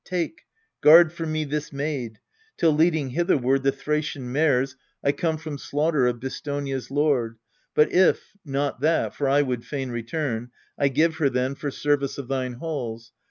Take, guard for me this maid, Till, leading hitherward the Thracian mares, I come from slaughter of Bistonia's lord. But if not that, for I would fain return I give her then, for service of thine halls.